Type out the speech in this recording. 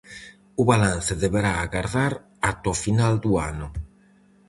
O balance deberá agardar ata o final do ano.